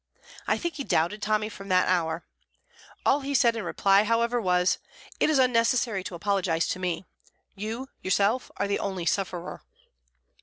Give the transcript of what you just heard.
I think he doubted Tommy from that hour. All he said in reply, however, was: "It is unnecessary to apologize to me; you yourself are the only sufferer."